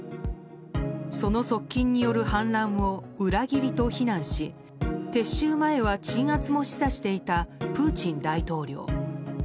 その側近による反乱を裏切りと非難し撤収前は鎮圧も示唆していたプーチン大統領。